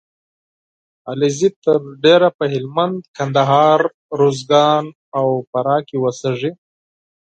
علیزي تر ډېره په هلمند ، کندهار . روزګان او فراه کې اوسېږي